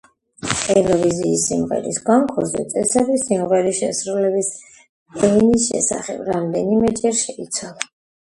ევროვიზიის სიმღერის კონკურსზე წესები სიმღერის შესრულების ენის შესახებ რამდენიმეჯერ შეიცვალა.